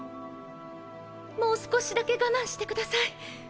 もう少しだけ我慢してください。